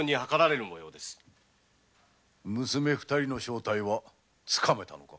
娘二人の正体はつかめたのか？